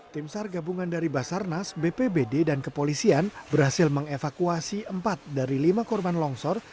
tim sar gabungan dari basarnas bpbd dan kepolisian berhasil mengevakuasi empat dari lima korban longsor